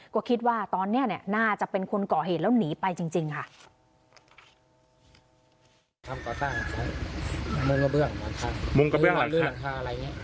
ก็คิดว่าตอนนี้น่าจะเป็นคนก่อเหตุแล้วหนีไปจริงค่ะ